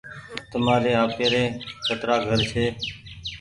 تمآري آپيري ڪترآ گهر ڇي۔